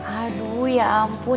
aduh ya ampun